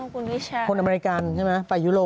กูนี่แชวอลคนอเมริกาใช่ไหมฝ่ายุโล